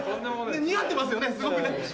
似合ってますよねすごくね。